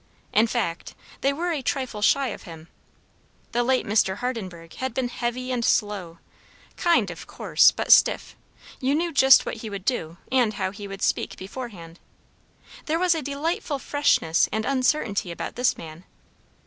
In fact, they were a trifle shy of him. The late Mr. Hardenburgh had been heavy and slow; kind, of course, but stiff; you knew just what he would do and how he would speak beforehand. There was a delightful freshness and uncertainty about this man.